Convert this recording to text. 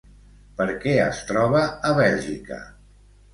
Per què es troba a Bèlgica?